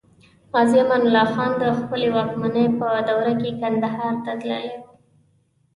غازي امان الله خان د خپلې واکمنۍ په دوره کې کندهار ته تللی و.